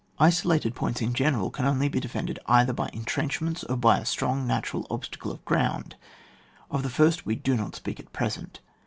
Isolated points in general can only be defended either by entrenchments, or by a strong natural obstacle of ground. Of ^e first we do not speak at present.